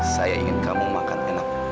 saya ingin kamu makan enak